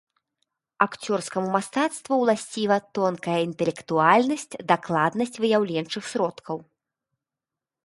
Акцёрскаму мастацтву уласціва тонкая інтэлектуальнасць, дакладнасць выяўленчых сродкаў.